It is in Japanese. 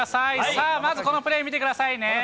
さあ、まずこのプレー見てくださいね。